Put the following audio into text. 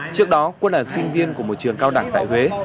trước đó quân là sinh viên của một trường cao đẳng tại huế